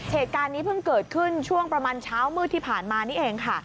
เหตุการณ์นี้เพิ่งเกิดขึ้นช่วงประมาณเช้ามืดที่ผ่านมานี่เองค่ะ